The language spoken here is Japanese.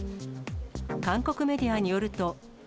韓国メディアによると。